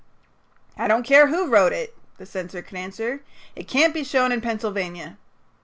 "I don't care who wrote it," the censor could answer. "It can't be shown in Pennsylvania."